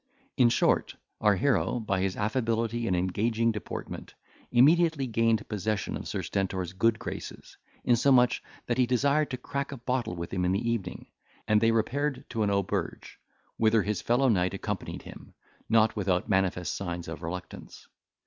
In short, our hero, by his affability and engaging deportment, immediately gained possession of Sir Stentor's good graces, insomuch, that he desired to crack a bottle with him in the evening, and they repaired to an auberge, whither his fellow knight accompanied him, not without manifest signs of reluctance.